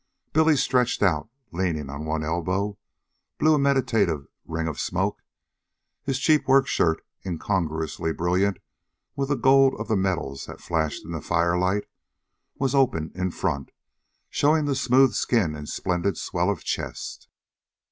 Billy, stretched out, leaning on one elbow, blew a meditative ring of smoke. His cheap workshirt, incongruously brilliant with the gold of the medals that flashed in the firelight, was open in front, showing the smooth skin and splendid swell of chest.